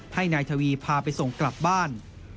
ให้นายทวีพาไปส่งกลับบ้าน